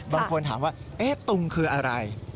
บางคนถามว่าตุงคืออะไร